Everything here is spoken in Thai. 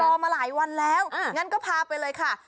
มาหลายวันแล้วงั้นก็พาไปเลยค่ะ